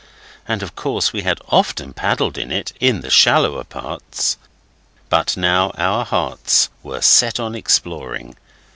And of course we had often paddled in it in the shallower parts. But now our hearts were set on exploring.